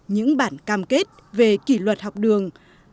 những bản cam kết về kỷ luật học đường